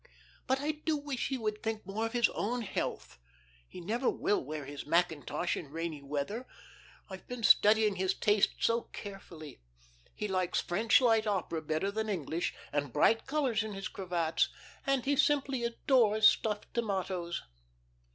But I do wish he would think more of his own health. He never will wear his mackintosh in rainy weather. I've been studying his tastes so carefully. He likes French light opera better than English, and bright colours in his cravats, and he simply adores stuffed tomatoes.